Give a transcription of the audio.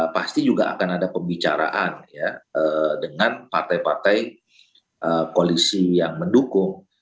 pasti juga akan ada pembicaraan dengan partai partai koalisi yang mendukung